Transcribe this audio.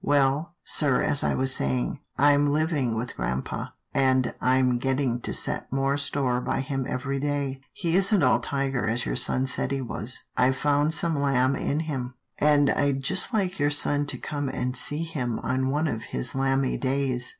" Well, sir, as I was saying, I'm living with grampa, and I'm getting to set more store by him every day. He isn't all tiger as your son said he was. I've found some lamb in him, and I'd just like your son to come and see him on one of his lammie days.